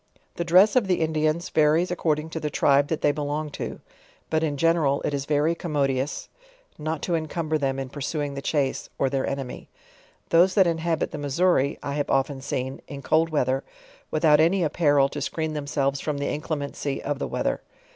The dress of the Indians, varies according to the tribe that they belong to; but in general, it is very commodious, not to encumber them in pursuing the chase, or their enemy; those that inhabit the Missouri, I have often seen, in cold weath er, without any apparel to screen themselves from the incle mency of the weather.